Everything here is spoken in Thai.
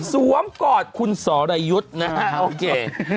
สวมกอดคุณสรยุทธ์นะฮะโอเค